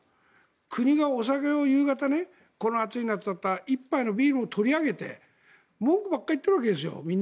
国がお酒を夕方ねこの暑い夏だったら１杯のビールを取り上げて文句ばっかり言ってるわけですよ。